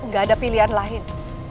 gak ada pilihan lain